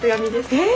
えっ！